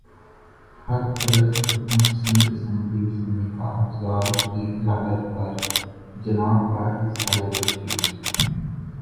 حق پرست رکن سندھ اسمبلی سمیتا افضال کی علالت پر جناب کا اظہار تشویش